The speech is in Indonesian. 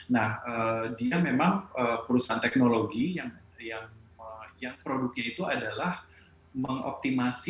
nah dia memang perusahaan teknologi yang produknya itu adalah mengoptimasi